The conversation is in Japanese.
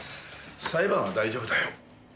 裁判は大丈夫だよ。